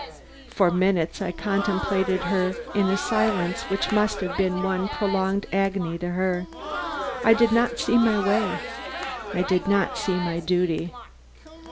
For minutes I contemplated her in a silence which must have been one prolonged agony to her. I did not see my way; I did not see my duty.